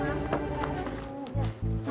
kau naun itu bu